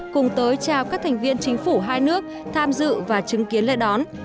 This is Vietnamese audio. cùng tới chào các thành viên chính phủ hai nước tham dự và chứng kiến lễ đón